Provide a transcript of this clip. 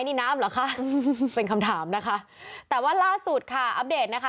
นี่น้ำเหรอคะเป็นคำถามนะคะแต่ว่าล่าสุดค่ะอัปเดตนะคะ